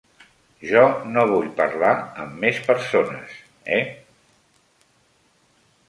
Jo no vull parlar amb més persones, eh?